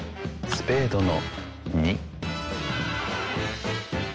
スペードの４。